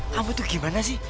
kamu tuh gimana sih